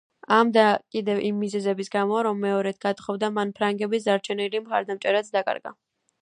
ამ და კიდევ იმ მიზეზის გამო, რომ მეორედ გათხოვდა, მან ფრანგების დარჩენილი მხარდაჭერაც დაკარგა.